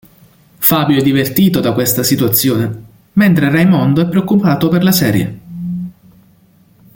Fabio è divertito da questa situazione, mentre Raimondo è preoccupato per la serie.